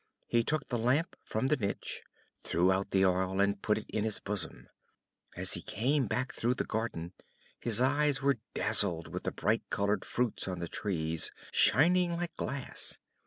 He took the Lamp from the niche, threw out the oil, and put it in his bosom. As he came back through the garden, his eyes were dazzled with the bright coloured fruits on the trees, shining like glass.